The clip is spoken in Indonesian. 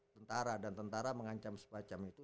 tentara dan tentara mengancam sepacem itu